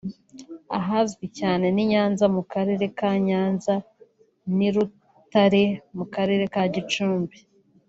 ahazwi cyane ni Nyanza mu karere ka Nyanza n’i Rutare mu karere ka Gicumbi